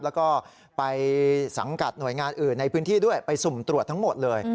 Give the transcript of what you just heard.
แล้วก็ไปสังกัดหน่วยงานอื่นในพื้นที่ด้วยไปสุ่มตรวจทั้งหมดเลย